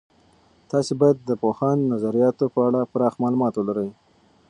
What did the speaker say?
تاسې باید د پوهاند نظریاتو په اړه پراخ معلومات ولرئ.